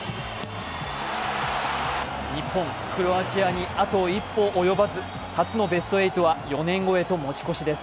日本、クロアチアにあと一歩及ばず、初のベスト８は４年後へと持ち越しです。